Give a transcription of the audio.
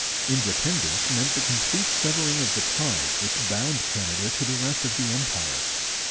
Independence meant the complete severing of the ties which bound Canada to the rest of the Empire.